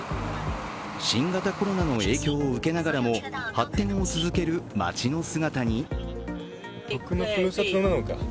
新型コロナの影響を受けながらも発展を続ける街の姿に。